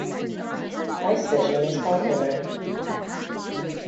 Ice fishing is popular.